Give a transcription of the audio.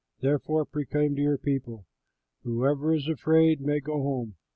Therefore, proclaim to your people, 'Whoever is afraid may go home.'"